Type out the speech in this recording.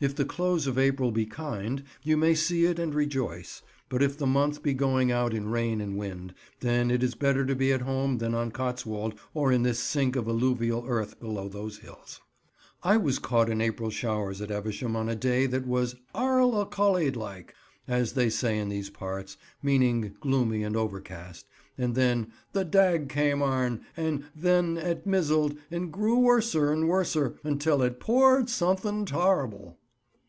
If the close of April be kind, you may see it and rejoice, but if the month be going out in rain and wind, then it is better to be at home than on Cotswold or in this sink of alluvial earth below those hills. I was caught in April showers at Evesham, on a day that was "arl a collied like," as they say in these parts, meaning gloomy and overcast; and then "the dag came arn, an' then et mizzled, an' grew worser 'n worser, until et poured suthin tar'ble."